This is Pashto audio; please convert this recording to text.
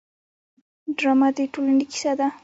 ډرامه د ټولنې کیسه ده